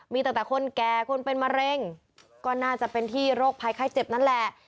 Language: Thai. มีแต่คนแก่คนเป็นมะเร็งก็น่าจะเป็นที่โรคภัยไข้เจ็บนั่นแหละ